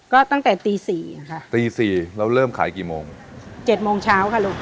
ก็ตั้งแต่ตีสี่ค่ะตีสี่เราเริ่มขายกี่โมงเจ็ดโมงเช้าค่ะลูก